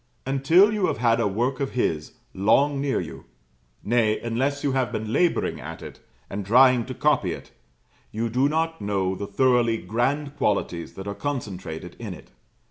Until you have had a work of his long near you; nay, unless you have been labouring at it, and trying to copy it, you do not know the thoroughly grand qualities that are concentrated in it.